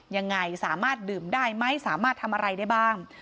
ยังไงสามารถดื่มได้ไหมสามารถทำอะไรได้บ้าง